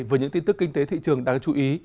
với những tin tức kinh tế thị trường đáng chú ý